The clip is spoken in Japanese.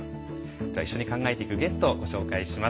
では一緒に考えていくゲストをご紹介します。